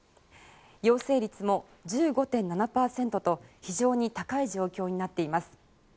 陽性率も１５．７％と非常に高い状況になっています。